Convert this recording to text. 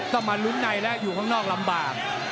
ก็มาลุ้นในแล้วอยู่ข้างนอกลำบาก